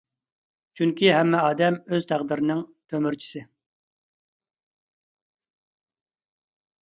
چۈنكى ھەممە ئادەم ئۆز تەقدىرىنىڭ تۆمۈرچىسى.